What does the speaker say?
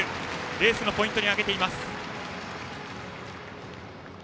レースのポイントに挙げています。